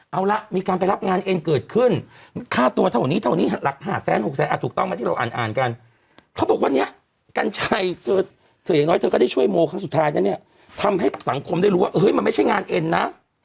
เอาละมีการไปรับงานเอ็นเกิดขึ้นค่าตัวเท่านี้เท่านี้หลัก๕แสนหกแสนอ่ะถูกต้องไหมที่เราอ่านอ่านกันเขาบอกวันนี้กัญชัยเธออย่างน้อยเธอก็ได้ช่วยโมครั้งสุดท้ายแล้วเนี่ยทำให้สังคมได้รู้ว่าเฮ้ยมันไม่ใช่งานเอ็นนะ